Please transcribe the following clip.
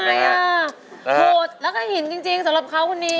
โหดแล้วก็หินจริงสำหรับเขาคนนี้